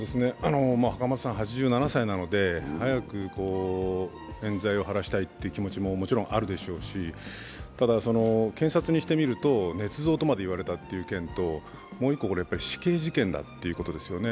袴田さん、８７歳なので、早くえん罪を晴らしたいという気持ちももちろんあるでしょうしただ、検察にしてみるとねつ造とまでいわれたっていうのともう１個、これ、死刑事件だということですよね。